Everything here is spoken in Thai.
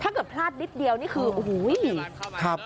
ถ้าเกิดพลาดนิดเดียวนี่คือโอ้โห